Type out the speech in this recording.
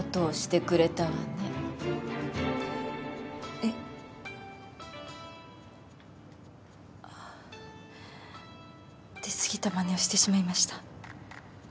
出過ぎたまねをしてしまいました。